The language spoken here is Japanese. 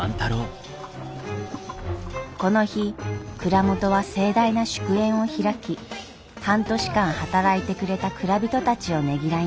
この日蔵元は盛大な祝宴を開き半年間働いてくれた蔵人たちをねぎらいます。